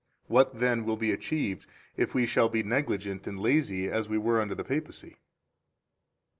What, then, will be achieved if we shall be negligent and lazy as we were under the Papacy?